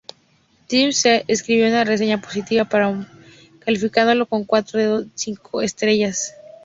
Tim Sendra escribió una reseña positiva para Allmusic, calificándolo con cuatro de cinco estrellas.